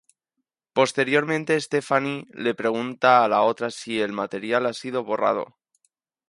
Posteriormente Stephanie le pregunta a la otra si el material ha sido borrado.